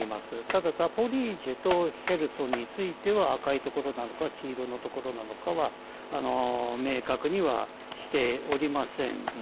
ただ、ザポリージャとヘルソンについては赤い所なのか、黄色の所なのかは明確にはしておりません。